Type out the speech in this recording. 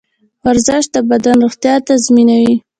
ورزش د بدن روغتیا تضمینوي.